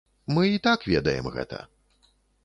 Мы і так ведаем гэта.